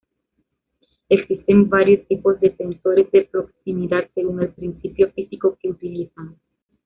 Existen varios tipos de sensores de proximidad según el principio físico que utilizan.